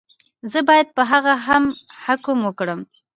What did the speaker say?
زه باید په هغه هم حکم وکړم.